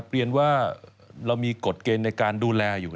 เรียนว่าเรามีกฎเกณฑ์ในการดูแลอยู่